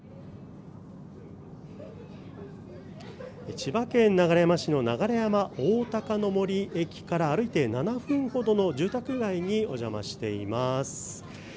千葉県流山市の流山おおたかの森駅から歩いて７分ほどの住宅街にお邪魔しています。